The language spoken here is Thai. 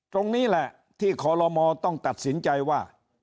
ตรงนี้แหละที่คอลโลมต้องตัดสินใจว่า